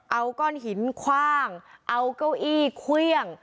เอาก้อนหินคว่างเอาเก้าอี้เครื่อง